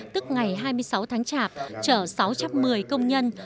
tức ngày hai mươi sáu tháng chạp chở sáu trăm một mươi công nhân